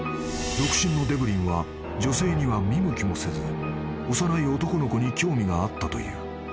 ［独身のデブリンは女性には見向きもせず幼い男の子に興味があったという］